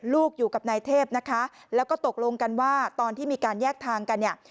อยู่กับนายเทพนะคะแล้วก็ตกลงกันว่าตอนที่มีการแยกทางกันเนี่ย